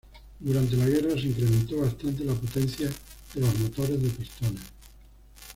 Durante la guerra se incrementó bastante la potencia de los motores de pistones.